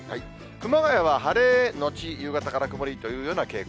熊谷は晴れ後夕方から曇りというような傾向。